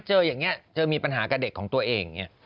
เจออย่างนี้เจอมีปัญหากับเด็กของตัวเอง